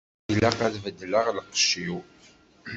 Ilaq ad beddleɣ lqecc-iw.